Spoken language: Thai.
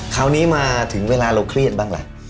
คราวนี้มาถึงเวลาเราเครียดบ้างล่ะ